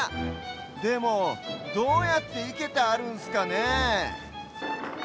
でもどうやっていけてあるんすかねえ？